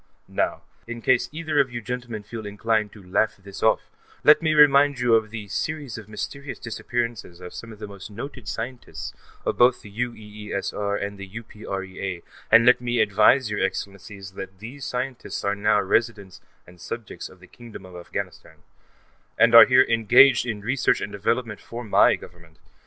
_ Now, in case either of you gentlemen feel inclined to laugh this off, let me remind you of the series of mysterious disappearances of some of the most noted scientists of both the UEESR and the UPREA, and let me advise your Excellencies that these scientists are now residents and subjects of the Kingdom of Afghanistan, and are here engaged in research and development work for my Government.